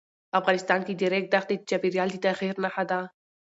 افغانستان کې د ریګ دښتې د چاپېریال د تغیر نښه ده.